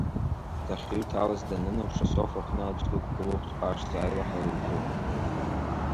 Дахьыҩҭалаз, данынаԥш, асоф аҟны аӡә дықәгылоуп дҟәашӡа, аилаҳәара икуп.